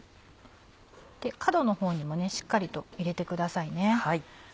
角のほうにもしっかりと入れてくださいね。